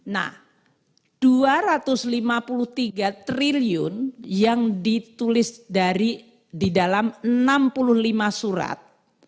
nah dua ratus lima puluh tiga triliun yang ditulis dari di dalam enam puluh lima surat